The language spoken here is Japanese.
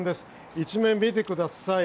１面を見てください。